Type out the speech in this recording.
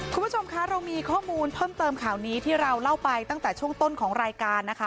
คุณผู้ชมคะเรามีข้อมูลเพิ่มเติมข่าวนี้ที่เราเล่าไปตั้งแต่ช่วงต้นของรายการนะคะ